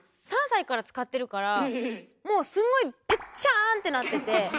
３歳から使ってるからもうすんごいペッチャーンってなってて。